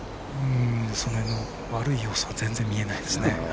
悪い要素は全然、見えないですね。